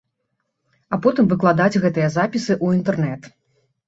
А потым выкладаць гэтыя запісы ў інтэрнэт.